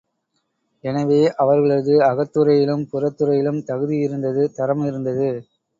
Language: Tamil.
எனவே, அவர்களது அகத்துறையிலும் புறத்துறையிலும் தகுதி இருந்தது, தரம் இருந்தது.